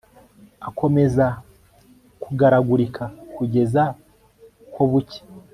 akomeza kugaragurika kugeza ko bucya